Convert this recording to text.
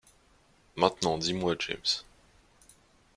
Maintenant, dis-moi, James